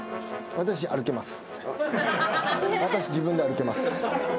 私自分で歩けます。